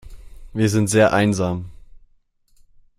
Wir sind sehr einsam.